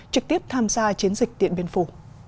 trực tiếp tham gia chiến dịch điện biên phủ